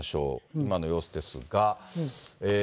今の様子ですが。